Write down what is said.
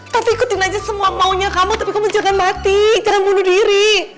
tapi ikutin aja semua maunya kamu tapi kamu jangan mati jangan bunuh diri